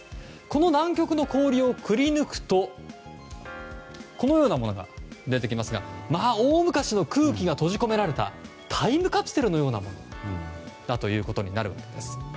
この南極の氷をくりぬくとこのようなものが出てきますが大昔の空気が閉じ込められたタイムカプセルのようなものになるわけです。